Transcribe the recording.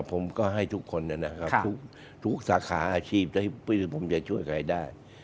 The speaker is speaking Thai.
ผมก็ให้ทุกคนนะครับทุกสาขาอาชีพผมจะช่วยใครได้